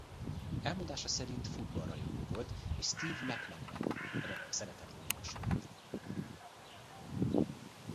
Elmondása szerint football rajongó volt és Steve McManaman-ra szeretett volna hasonlítani.